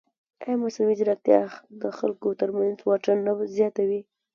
ایا مصنوعي ځیرکتیا د خلکو ترمنځ واټن نه زیاتوي؟